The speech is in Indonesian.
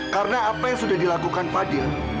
karena apa yang sudah dilakukan fadil